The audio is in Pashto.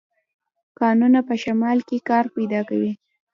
کانونه په شمال کې کار پیدا کوي.